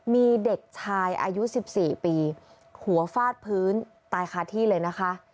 มีเด็กชายอายุ๑๔ปีหัวฟาดพื้นตายคาที่เลยนะคะ